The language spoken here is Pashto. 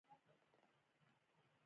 سږي په سینه کې کوم ځای لري